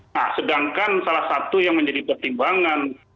nah sedangkan salah satu yang menjadi pertimbangan